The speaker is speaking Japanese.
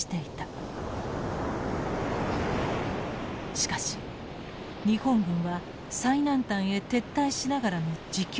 しかし日本軍は最南端へ撤退しながらの持久戦を決断。